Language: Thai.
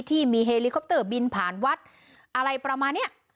ที่มีเฮลิคอปเตอร์บินผ่านวัดอะไรประมาณเนี้ย